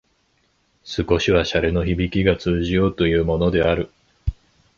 少しは洒落のひびきが通じようというものである